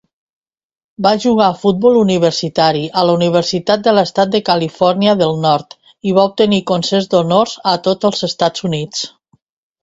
Va jugar a futbol universitari a la Universitat de l'Estat de Carolina del Nord i va obtenir consens d'honors a tots els Estats Units.